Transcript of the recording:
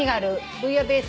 ブイヤベース。